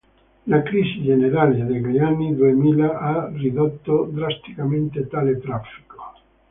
La crisi generale degli anni duemila ha ridotto drasticamente tale traffico.